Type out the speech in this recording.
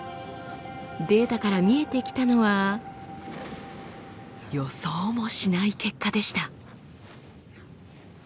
データから見えてきたのは予想もしない結果でした。